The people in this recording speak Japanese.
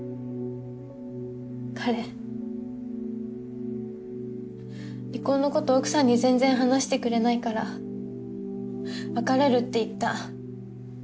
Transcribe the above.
彼離婚のこと奥さんに全然話してくれないから別れるって言った。